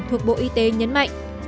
thuộc bộ y tế nhấn mạnh